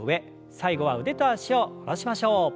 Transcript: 最後は腕と脚を戻しましょう。